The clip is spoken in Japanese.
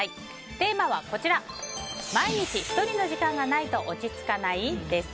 テーマは毎日１人の時間がないと落ち着かない？です。